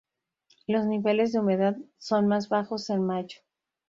Los niveles de humedad son más bajos en mayo.